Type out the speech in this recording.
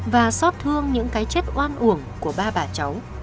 và xót thương những cái chết oan uổng của ba bà cháu